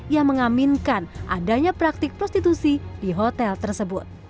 yang mengaminkan adanya praktik prostitusi di hotel tersebut